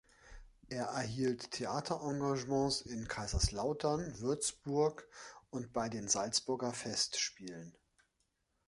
Er erhielt Theaterengagements in Kaiserslautern, Würzburg und bei den Salzburger Festspielen.